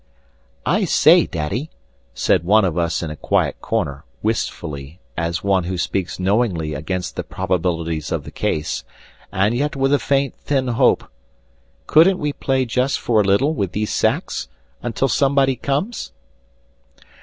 "I say, Daddy," said one of us in a quiet corner, wistfully, as one who speaks knowingly against the probabilities of the case, and yet with a faint, thin hope, "couldn't we play just for a little with these sacks ... until some body comes?"